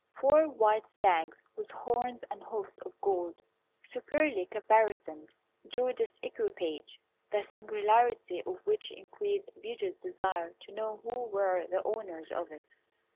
Four white stags, with horns and hoofs of gold, superbly caparisoned, drew this equipage, the singularity of which increased Beauty's desire to know who were the owners of it.